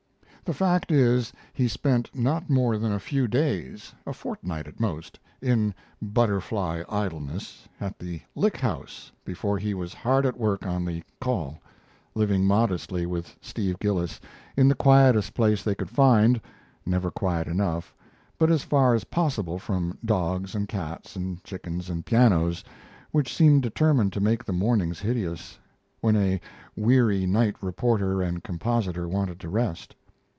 The fact is, he spent not more than a few days a fortnight at most in "butterfly idleness," at the Lick House before he was hard at work on the 'Call', living modestly with Steve Gillis in the quietest place they could find, never quiet enough, but as far as possible from dogs and cats and chickens and pianos, which seemed determined to make the mornings hideous, when a weary night reporter and compositor wanted to rest.